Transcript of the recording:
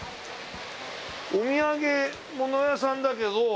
お土産物屋さんだけど。